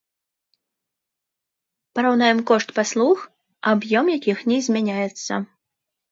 Параўнаем кошт паслуг, аб'ём якіх не змяняецца.